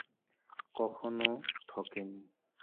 কখনো ঠকে নি।